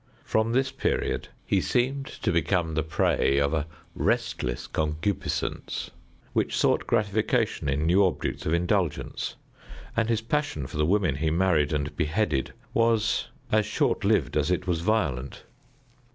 From this period he seemed to become the prey of a restless concupiscence, which sought gratification in new objects of indulgence, and his passion for the women he married and beheaded was as short lived as it was violent.